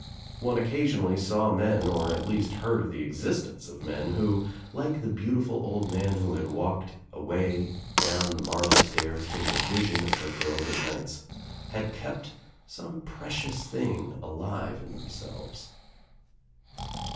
One occasionally saw men or at least heard of the existence of men who, like the beautiful old man who had walked away down the marble stairs in the vision of her girlhood nights, had kept some precious thing alive In themselves.